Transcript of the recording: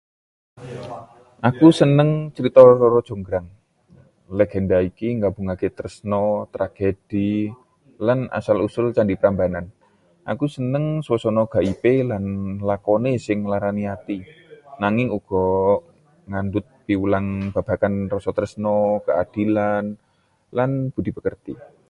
Aku seneng crita Roro Jonggrang. Legenda iki nggabungaké tresna, tragedi, lan asal-usul Candi Prambanan. Aku seneng suasana gaibé lan lakoné sing nglarani ati, nanging uga ngandhut piwulang babagan rasa tresna, kaadilan, lan budi pekerti.